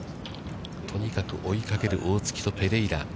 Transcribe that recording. とにかく追いかける大槻とペレイラ。